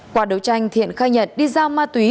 qua đấu tranh thiện khai nhận đi giao ma túy